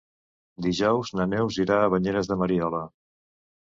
Dijous na Neus irà a Banyeres de Mariola.